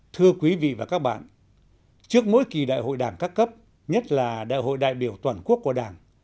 thưa quý vị và các bạn trước mỗi kỳ đại hội đảng các cấp nhất là đại hội đại biểu toàn quốc của đảng